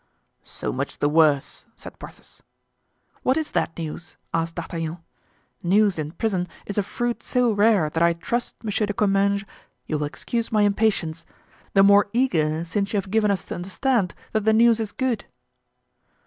"So much the worse," said Porthos. "What is that news?" asked D'Artagnan. "News in prison is a fruit so rare that I trust, Monsieur de Comminges, you will excuse my impatience—the more eager since you have given us to understand that the news is good."